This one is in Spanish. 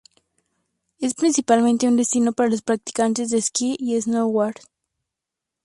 Es principalmente un destino para los practicantes de esquí y snowboard.